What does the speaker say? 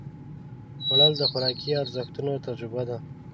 خوړل د خوراکي ارزښتونو تجربه ده